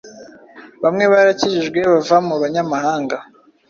Bamwe barakijijwe bava mu banyamahanga